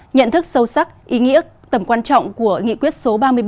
nhận thức sâu sắc ý nghĩa tầm quan trọng của nghị quyết số ba mươi bảy